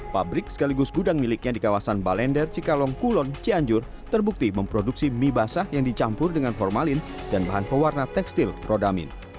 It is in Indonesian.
pabrik sekaligus gudang miliknya di kawasan balender cikalong kulon cianjur terbukti memproduksi mie basah yang dicampur dengan formalin dan bahan pewarna tekstil rodamin